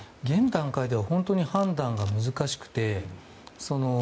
現段階では本当に判断が難しくて。